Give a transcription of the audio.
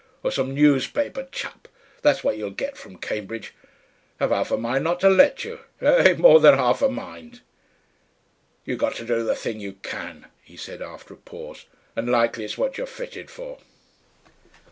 Or some newspaper chap. That's what you'll get from Cambridge. I'm half a mind not to let you. Eh? More than half a mind...." "You've got to do the thing you can," he said, after a pause, "and likely it's what you're fitted for."